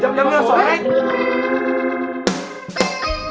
jam berapa sobat